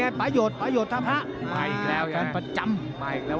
โดนมันไปงั้นไง